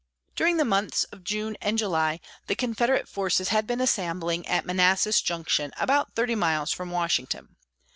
During the months of June and July, the Confederate forces had been assembling at Manassas Junction, about thirty miles from Washington.